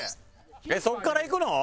えっそこから行くの？